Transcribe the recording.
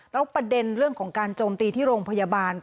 แล้วประเด็นเรื่องของการโจมตีที่โรงพยาบาล